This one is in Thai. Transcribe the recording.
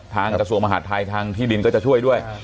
กระทรวงมหาดไทยทางที่ดินก็จะช่วยด้วย